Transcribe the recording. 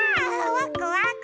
ワクワク。